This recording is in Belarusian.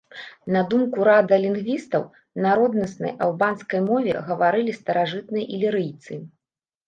На думку рада лінгвістаў, на роднаснай албанскай мове гаварылі старажытныя ілірыйцы.